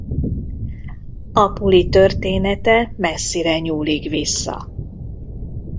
A puli története messzire nyúlik vissza.